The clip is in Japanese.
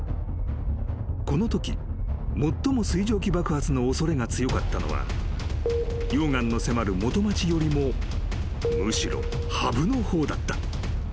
［このとき最も水蒸気爆発の恐れが強かったのは溶岩の迫る元町よりもむしろ波浮の方だった］